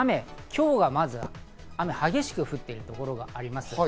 今日がまず雨が激しく降っているところがあります。